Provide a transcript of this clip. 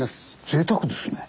ぜいたくですね。